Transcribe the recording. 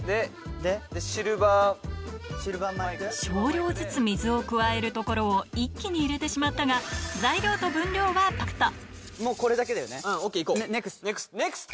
少量ずつ水を加えるところを一気に入れてしまったがこれだけだよね。